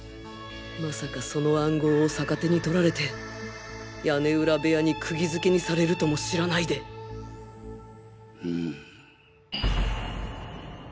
まさかその暗号を逆手に取られて屋根裏部屋に釘付けにされるとも知らないでん。